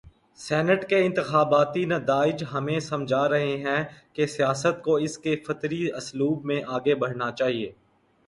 Senate کے انتخاباتی نتائج ہمیں سمجھا رہے ہیں کہ سیاست کو اس کے فطری اسلوب میں آگے بڑھنا چاہیے۔